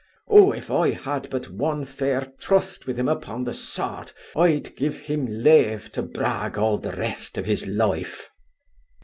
Oh if I had but one fair trust with him upon the sod, I'd give him lave to brag all the rest of his life.